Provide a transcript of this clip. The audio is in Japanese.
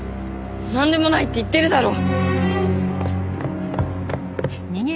なんでもないって言ってるだろ！